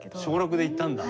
小６で言ったんだ。